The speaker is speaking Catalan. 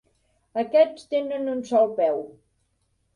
Aquests tenen un sol peu.